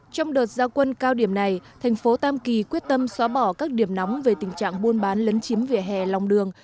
trong đợt giao quân cao điểm này thành phố tam kỳ quyết tâm xóa bỏ các điểm nóng về tình trạng buôn bán lấn chiếm vỉa hè lòng đường